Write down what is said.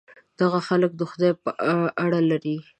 دغه خلک د ځان په اړه لري.